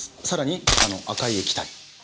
さらにこの赤い液体。